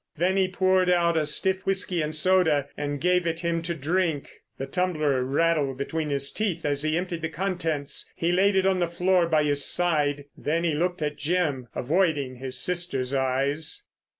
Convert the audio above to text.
Then he poured out a stiff whisky and soda and gave it him to drink. The tumbler rattled between his teeth as he emptied the contents. He laid it on the floor by his side, then he looked at Jim, avoiding his sister's eyes.